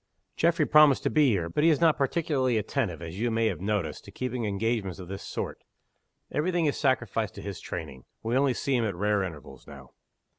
"Geoffrey promised to be here. But he is not particularly attentive, as you may have noticed, to keeping engagements of this sort. Every thing is sacrificed to his training. We only see him at rare intervals now."